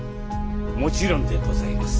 もちろんでございます。